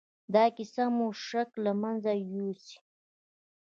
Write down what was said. دا کيسه به مو شک له منځه يوسي.